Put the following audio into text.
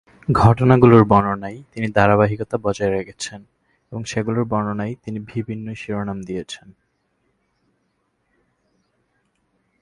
ঘটনাগুলোর বর্ণনায় তিনি ধারাবাহিকতা বজায় রেখেছেন এবং সেগুলোর বর্ণনায় তিনি বিভিন্ন শিরোনাম দিয়েছেন।